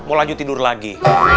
mau lanjut tidur lagi